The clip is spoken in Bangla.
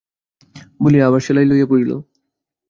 বলিয়া আবার সেলাই লইয়া পড়িল।